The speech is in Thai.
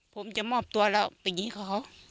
ผมจะมอบตัวแล้วไปยิงเขา